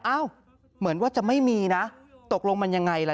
เหมือนว่าจะไม่มีนะตกลงมันยังไงล่ะ